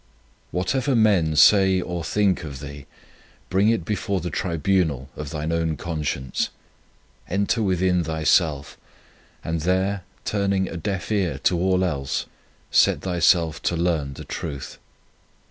Whatever men say or think of thee, bring it before the tribunal of thine own conscience. Enter within thyself, and there, turning a deaf ear to all else, set thyself to learn the truth.